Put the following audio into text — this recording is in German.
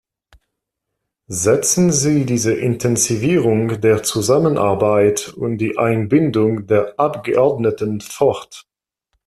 Setzen Sie diese Intensivierung der Zusammenarbeit und die Einbindung der Abgeordneten fort!